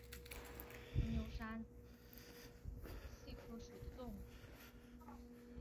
伏牛山隙蛛为暗蛛科隙蛛属的动物。